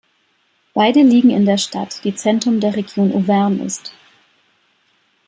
Beide liegen in der Stadt, die Zentrum der Region Auvergne ist.